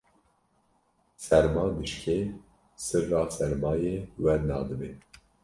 serma dişkê, sirra sermayê wenda dibe